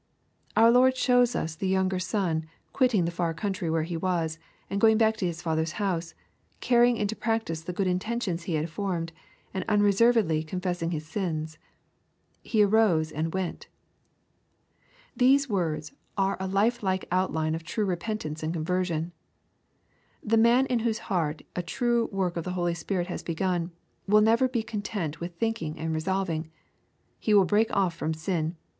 Our Lord shows us the younger son quitting the far country where he was, and going back to his father's house, carrying into practice the good intentions he Bad formed, and unreservedly con fessing his sin. " He arose and went." VThese words are a life like outline of true repentance and conversion. The man in whose heart a true work of the Holy Ghost has begun, will never be content with thinking and resolving. He will break off from sin.